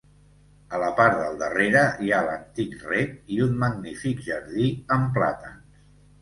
A la part del darrere hi ha l'antic rec i un magnífic jardí amb plàtans.